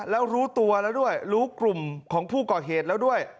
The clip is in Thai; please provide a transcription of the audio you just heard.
แล้วรู้ตัวแล้วด้วยรู้กลุ่มของผู้ก่อเหตุแล้วด้วย